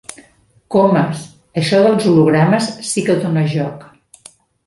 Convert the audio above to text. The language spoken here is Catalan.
Comas— Això dels hologrames sí que dona joc.